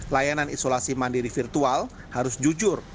layanan isolasi mandiri virtual harus jujur